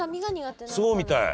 そうみたい。